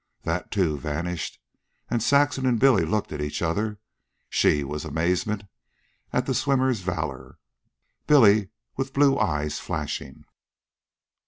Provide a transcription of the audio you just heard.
That, too, vanished, and Saxon and Billy looked at each other, she with amazement at the swimmer's valor, Billy with blue eyes flashing.